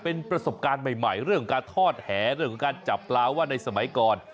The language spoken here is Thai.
เป็นประสบการณ์ใหม่เรื่องการทอดแหเรื่องของการจับปลาว่าในสมัยก่อน